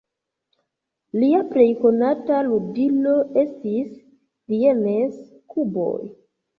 Lia plej konata ludilo estis "Dienes-kuboj".